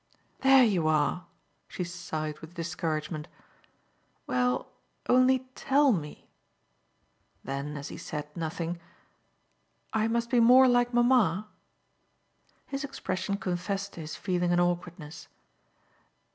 "There you are!" she sighed with discouragement. "Well, only TELL me." Then as he said nothing: "I must be more like mamma?" His expression confessed to his feeling an awkwardness.